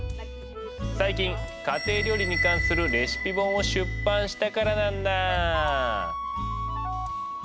最近家庭料理に関するレシピ本を出版したからなんだ。